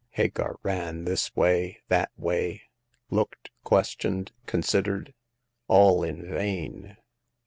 Hagar ran this way, that way ; looked, questioned, considered ; all in vain.